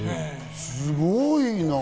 すごいな。